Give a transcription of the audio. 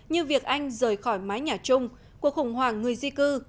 như việc anh rời khỏi mái nhà chung cuộc khủng hoảng người di cư